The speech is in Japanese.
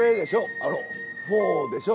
あのフォーでしょ？